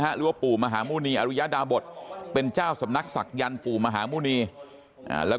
หรือปู่มหามุนีอริยาดาบทเป็นเจ้าสำนักศักยรปู่มหามุนีแล้ว